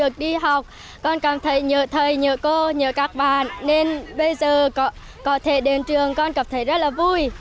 thầy nhớ thầy nhớ cô nhớ các bạn nên bây giờ có thể đến trường con cảm thấy rất là vui